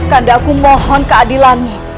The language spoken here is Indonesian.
kanda aku mohon keadilan ini